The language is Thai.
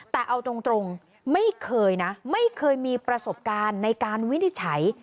แต่เอาตรงไม่เคยนะไม่เคยมีประสบการณ์ในการวินิจฉัย